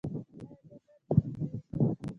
ایا زه باید ژوندی اوسم؟